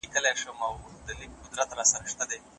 یو نیم غزل به دي مطرب ته بهانه پاته سي.